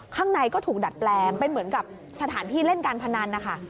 ข้างในก็ถูกดัดแปลงเป็นเหมือนกับสถานที่เล่นการพนันนะคะ